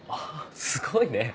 すごいね。